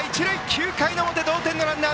９回表、同点のランナー